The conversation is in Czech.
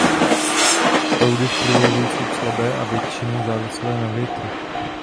Proudy v průlivu jsou slabé a většinou závislé na větru.